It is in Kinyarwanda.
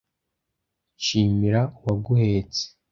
nshimira uwaguhetse